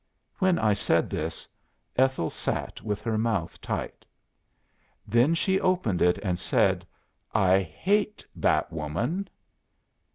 '" "When I said this, Ethel sat with her mouth tight. Then she opened it and said: 'I hate that woman.